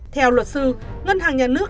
theo luật sư ngân hàng nhà nước